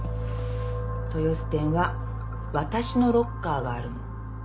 豊洲店はわたしのロッカーがあるの。